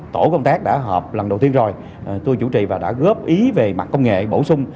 tổ công tác đã họp lần đầu tiên rồi tôi chủ trì và đã góp ý về mặt công nghệ bổ sung